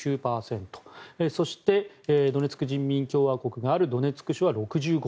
そしてドネツク人民共和国があるドネツク州は６５％。